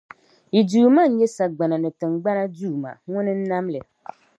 Yi Duuma nnyɛ sagbana ni tiŋgbani Duuma, Ŋuna n-nam li.